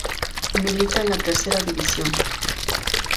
Milita en la Tercera División.